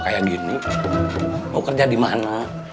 kau kerja di mana